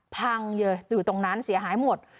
พังเลยอยู่ตรงนั้นเสียหายหมด